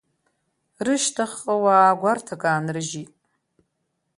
Рышьҭахьҟа уаа гәарҭак аанрыжьит.